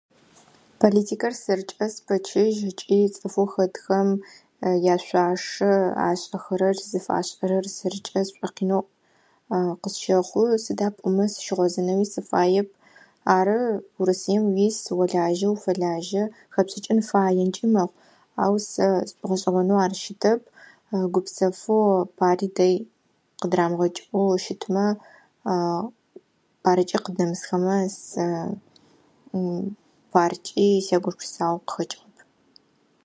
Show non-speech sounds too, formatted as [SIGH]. Политикэр сэркӏэ спэчъыжь ыкӏи цӏыфэу хэтхэм яшъуашэ, ашӏэхэрэр, зыфашӏэрэр сэркӏэ сшъуэкъинэу [HESITATION] къысщэхъу. Сыда пӏомэ сыщыгъозынэуи сыфаеп. Ары, урысыем уис, уэлажьэ, уфэлажьэ. Хэпшӏыкӏын фаенкӏи мэхъу, ау сэ сшӏогъэшӏэгъонэу ар щытэп. Гупсэфэу пари дэй къыдрамгъэкӏэу щытмэ, [HESITATION] парыкӏи къыднэсхэмэ сэ [HESITATION] паркӏи сегупшысагъэу къыхэкӏыгъэп.